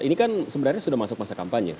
ini kan sebenarnya sudah masuk masa kampanye